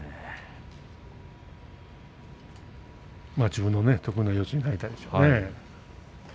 まあ自分の得意の四つになりたいでしょうからね。